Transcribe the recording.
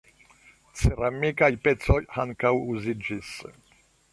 Ceramikaj pecoj ankaŭ uziĝis.